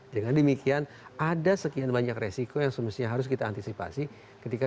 dengan demikian ada sekian banyak resiko yang semestinya harus kita antisipasi ketika